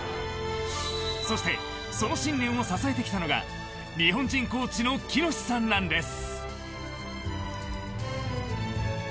そして、その信念を支えてきたのが日本人コーチの喜熨斗さんなんです。